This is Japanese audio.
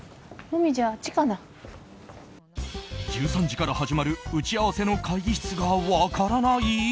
１３時から始まる打ち合わせの会議室が分からない。